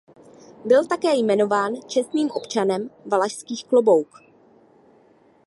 Byl také jmenován čestným občanem Valašských Klobouk.